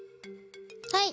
はい。